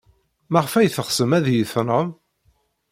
Maɣef ay teɣsem ad iyi-tenɣem?